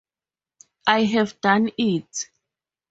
I have done it.